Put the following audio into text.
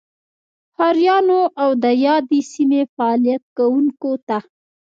ښاریانو او دیادې سیمې فعالیت کوونکو ته